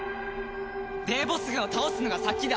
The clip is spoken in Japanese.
デーボス軍を倒すのが先だ！